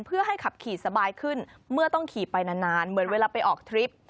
เพื่อให้ขับขี่สบายขึ้นเมื่อต้องขี่ไปนานเหมือนเวลาไปออกทริป